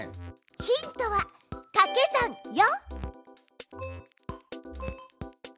ヒントはかけ算よ！